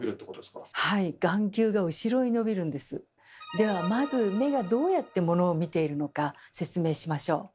ではまず目がどうやってモノを見ているのか説明しましょう。